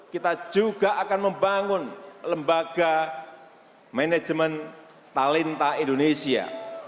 kita juga akan membangun lembaga manajemen talenta indonesia